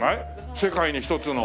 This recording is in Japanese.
世界に一つの。